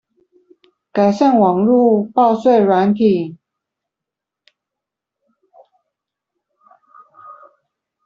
改善網路報稅軟體